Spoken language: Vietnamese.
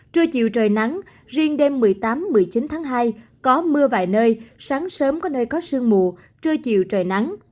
trưa chiều trời nắng riêng đêm một mươi tám một mươi chín tháng hai có mưa vài nơi sáng sớm có nơi có sương mù trưa chiều trời nắng